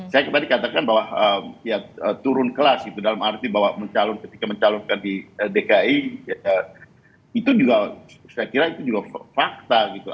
saya tadi katakan bahwa ya turun kelas itu dalam arti bahwa mencalon ketika mencalonkan di dki itu juga saya kira itu juga fakta gitu